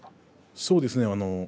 そうですね。